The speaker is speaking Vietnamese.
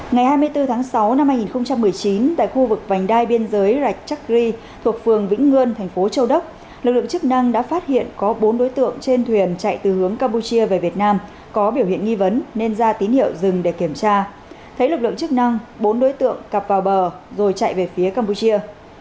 ngày hai mươi bốn tháng sáu năm hai nghìn một mươi chín tại khu vực vành đai biên giới rạch chack ri thuộc phường vĩnh ngươn thành phố châu đốc lực lượng chức năng đã phát hiện có bốn đối tượng trên thuyền chạy từ hướng campuchia về việt nam có biểu hiện nghi vấn nên ra tín hiệu dừng để kiểm tra thấy lực lượng chức năng bốn đối tượng cặp vào bờ rồi chạy về phía campuchia